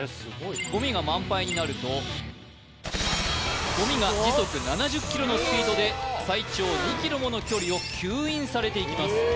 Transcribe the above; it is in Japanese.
ゴミが満杯になるとゴミが時速７０ｋｍ／ｈのスピードで最長２ｋｍもの距離を吸引されていきます